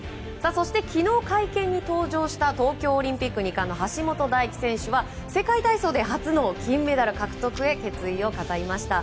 そして昨日、会見に登場した東京オリンピック二冠の橋本大輝選手は世界体操で初の金メダル獲得へ決意を語りました。